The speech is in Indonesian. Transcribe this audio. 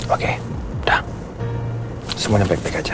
oke udah semuanya baik baik aja